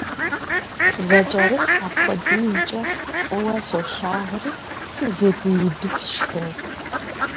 Зэкӏэрыс апхуэдизкӏэ фӏыуэ солъагъури сызэгуиудыху сшхынт.